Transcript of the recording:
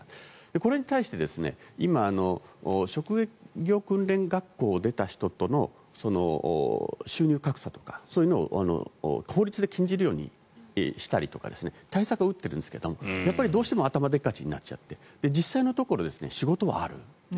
これに対して、今職業訓練学校を出た人との収入格差とかそういうのを法律で禁じるようにしたりとか対策を打ってるんですがどうしても頭でっかちになっちゃって実際のところ仕事はある。